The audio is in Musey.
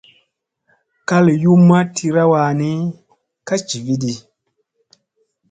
Kal yumma tira wa ni ka jivi ɗi.